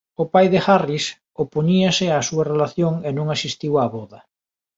O pai de Harris opoñíase á súa relación e non asistiu á voda.